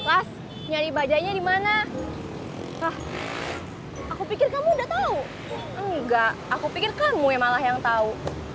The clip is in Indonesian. pas nyari bajanya dimana ah aku pikir kamu udah tahu enggak aku pikir kamu yang malah yang tahu